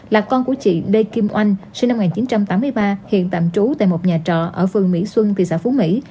là con của chị lê kim oanh sinh năm một nghìn chín trăm tám mươi ba hiện tạm trú tại một nhà trọ ở phường mỹ xuân thị xã phú mỹ